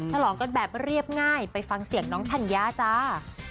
ฉลองกันแบบเรียบง่ายไปฟังเสียงน้องธัญญาจ้า